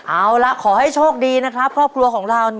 เอาล่ะขอให้โชคดีนะครับครอบครัวของเรา